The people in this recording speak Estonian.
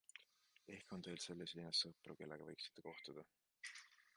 Ehk on teil selles linnas sõpru, kellega võiksite kohtuda?